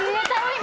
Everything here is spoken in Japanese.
今。